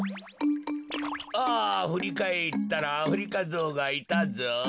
ああふりかえったらアフリカゾウがいたゾウ。